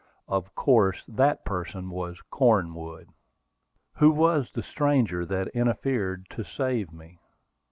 Of course that person was Cornwood. Who was the stranger that interfered to save me?